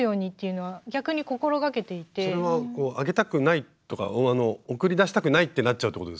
それはあげたくないとか送り出したくないってなっちゃうってことですか？